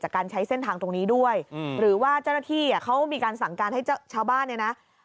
หรือว่าเจ้าหน้าที่เขามีการสั่งการให้ชาวบ้านเนี่ยนะ